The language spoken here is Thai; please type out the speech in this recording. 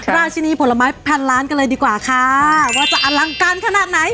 ราชินีผลไม้พันล้านกันเลยดีกว่าค่ะว่าจะอลังการขนาดไหน